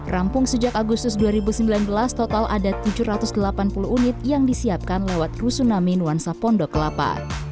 rampung sejak agustus dua ribu sembilan belas total ada tujuh ratus delapan puluh unit yang disiapkan lewat rusunami nuansa pondok kelapa